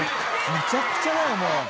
「むちゃくちゃだよもう」